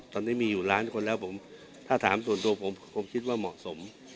ตอนนี้มีอยู่ล้านคนแล้วผมถ้าถามส่วนตัวผมผมคิดว่าเหมาะสม